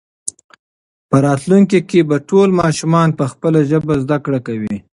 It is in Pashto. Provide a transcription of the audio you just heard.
په راتلونکي کې به ټول ماشومان په خپله ژبه زده کړه کوي.